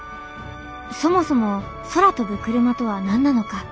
そもそも空飛ぶクルマとは何なのか？